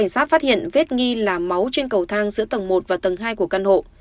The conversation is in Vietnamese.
sát phát hiện vết nghi là máu trên cầu thang giữa tầng một và tầng hai của căn hộ